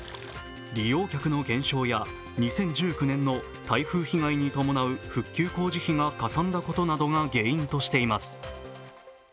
利用客の減少や２０１９年の台風被害に伴う復旧工事費がかさんだことなどが原因としています。